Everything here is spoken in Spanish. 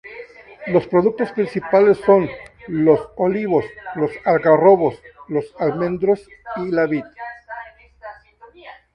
Los productos principales son los olivos, los algarrobos, los almendros y la vid.